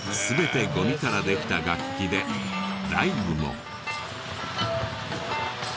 全てゴミからできた楽器でライブも！